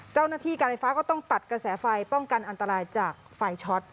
เจ้าหน้าที่การไฟฟ้าก็ต้องตัดกระแสไฟป้องกันอันตรายจากไฟช็อต